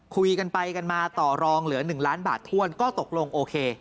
คุยกันไปกันมาต่อรองเหลือ๑ล้านบาทถ้วนก็ตกลงโอเค